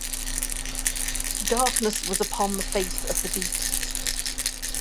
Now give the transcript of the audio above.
Darkness was upon the face of the deep.